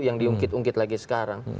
yang diungkit ungkit lagi sekarang